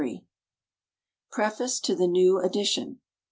PREFACE TO THE NEW EDITION.